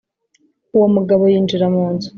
Uwo mugabo yinjira mu nzu